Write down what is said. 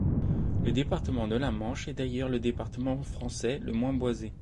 Le département de la Manche est d'ailleurs le département français le moins boisé.